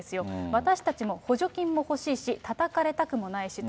私たちも補助金も欲しいし、たたかれたくもないしと。